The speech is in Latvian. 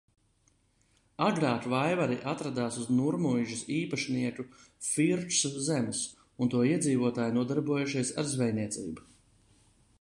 Agrāk Vaivari atradās uz Nurmuižas īpašnieku Firksu zemes un to iedzīvotāji nodarbojušies ar zvejniecību.